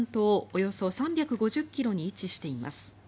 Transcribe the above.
およそ３５０ｋｍに位置しています。